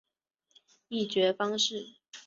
议决方式